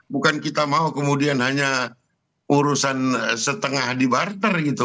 bukan kita mau kemudian hanya urusan setengah di warter gitu